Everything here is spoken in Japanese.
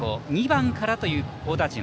２番からという好打順。